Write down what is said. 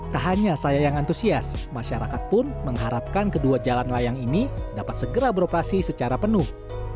tak hanya saya yang antusias masyarakat pun mengharapkan kedua jalan layang ini dapat segera beroperasi secara penuh